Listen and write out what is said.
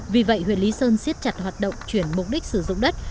vì vậy huyện lý sơn siết chặt hoạt động chuyển mục đích sử dụng đất